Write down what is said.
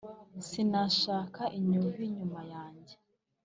sinashaka inyovu inyuma yange